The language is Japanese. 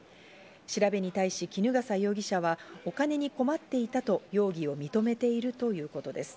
調べに対し衣笠容疑者は、お金に困っていたと容疑を認めているということです。